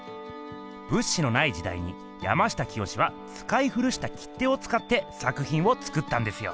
物資のない時代に山下清はつかい古した切手をつかってさくひんをつくったんですよ。